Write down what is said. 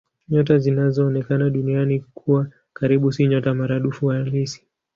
Nyota zinazoonekana Duniani kuwa karibu si nyota maradufu halisi.